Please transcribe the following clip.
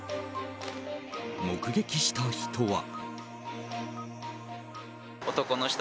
目撃した人は。